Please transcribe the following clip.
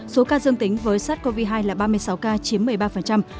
số ca dương tính với sars cov hai là ba mươi sáu ca chiếm một mươi ba